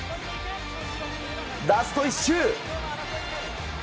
ラスト１周。